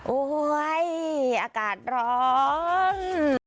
โอ๊ยอากาศร้อน